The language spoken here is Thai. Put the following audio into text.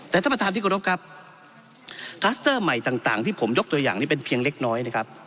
แต่ท่านประธานที่กรบครับคลัสเตอร์ใหม่ต่างที่ผมยกตัวอย่างนี้เป็นเพียงเล็กน้อยนะครับ